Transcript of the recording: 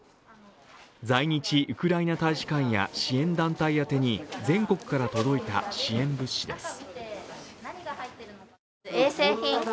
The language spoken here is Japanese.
在日ウクライナ大使館や支援団体宛に全国から届いた支援物資です。